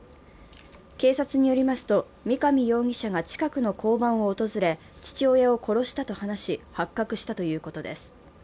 警察によりますと、三上容疑者が近くの交番を訪れ、父親を殺したと話し、発覚したということです。